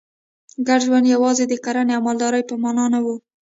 ګډ ژوند یوازې د کرنې او مالدارۍ په معنا نه و.